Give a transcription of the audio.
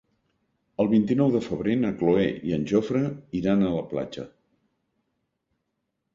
El vint-i-nou de febrer na Cloè i en Jofre iran a la platja.